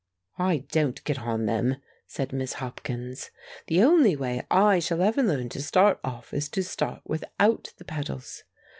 "I don't get on them," said Miss Hopkins. "The only way I shall ever learn to start off is to start without the pedals.